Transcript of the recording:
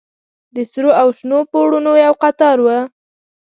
د سرو او شنو پوړونو يو قطار و.